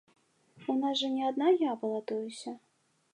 У нас жа не адна я балатуюся.